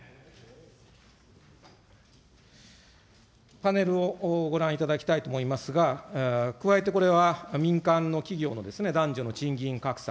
パネルをご覧いただきたいと思いますが、加えてこれは民間の企業の男女の賃金格差。